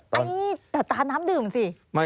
แต่ตราน้ำดื่มสิ